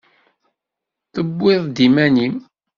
Tewwiḍ-d iman-im.